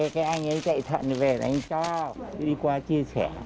cái anh ấy chạy thận về đánh cho đi qua chia sẻ